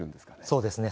そうですね。